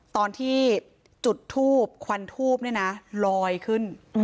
ตอนที่จุดทูบควันทูบเนี่ยนะลอยขึ้น